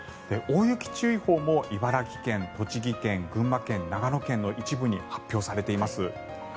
大雪注意報も茨城県、栃木県群馬県、長野県の一部に発表されています。